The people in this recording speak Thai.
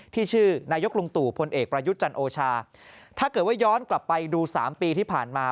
ชื่อนายกลุงตู่พลเอกประยุทธ์จันโอชาถ้าเกิดว่าย้อนกลับไปดูสามปีที่ผ่านมา